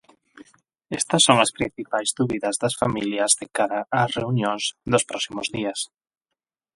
Estas son as principais dúbidas das familias de cara ás reunións dos próximos días.